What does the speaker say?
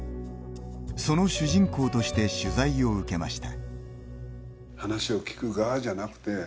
その主人公として取材を受けました。